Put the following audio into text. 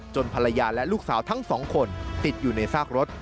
ภรรยาและลูกสาวทั้งสองคนติดอยู่ในซากรถ